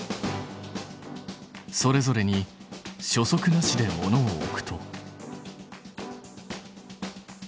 それぞれに初速なしで物を置くと。